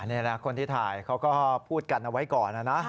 นี่นะคนที่ถ่ายเขาก็พูดกันเอาไว้ก่อนนะนะ